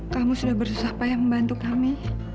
kamu sudah bersusah payah membantu kami